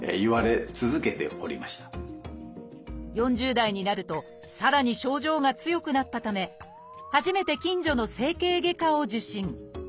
４０代になるとさらに症状が強くなったため初めて近所の整形外科を受診。